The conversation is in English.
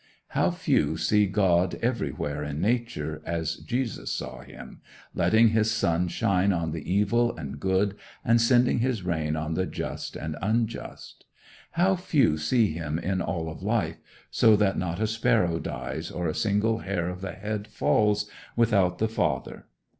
How few see God everywhere in nature, as Jesus saw Him, letting his sun shine on the evil and good, and sending his rain on the just and unjust. How few see Him in all of life, so that not a sparrow dies, or a single hair of the head falls, without the Father.